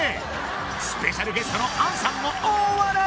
スペシャルゲストの杏さんも大笑い